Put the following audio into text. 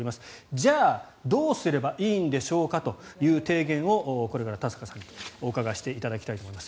じゃあどうすればいいんでしょうという提言をこれから、田坂さんにお伺いしていきたいと思います。